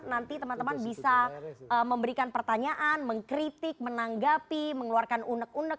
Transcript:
nanti teman teman bisa memberikan pertanyaan mengkritik menanggapi mengeluarkan unek unek